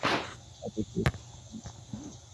কিন্তু আমি নিজে একটা বাচ্চা মেয়ে, তাকে কী সান্ত্বনা দেব?